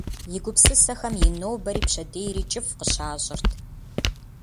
И гупсысэхэм и нобэри пщэдейри кӏыфӏ къыщащӏырт.